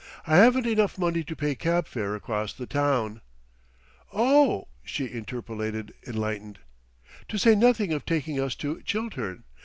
"I haven't enough money to pay cab fare across the town " "Oh!" she interpolated, enlightened. " to say nothing of taking us to Chiltern.